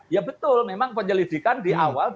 ya betul memang penyelidikan di awal dua ribu dua puluh tiga